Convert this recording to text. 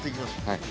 はい。